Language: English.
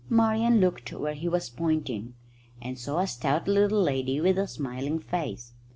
Marian looked where he was pointing, and saw a stout little lady with a smiling face.